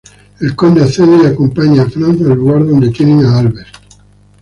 El conde accede y acompaña a Franz al lugar donde tienen a Albert.